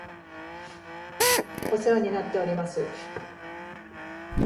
お世話になっております